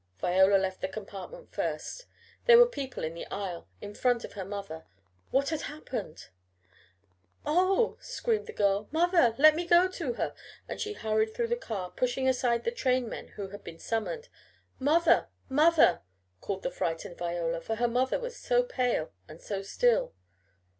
Viola left the compartment first. There were people in the aisle in front of her mother. What had happened? "Oh!" screamed the girl. "Mother! Let me go to her!" and she hurried through the car, pushing aside the trainmen who had been summoned. "Mother! Mother!" called the frightened Viola, for her mother was so pale and so still!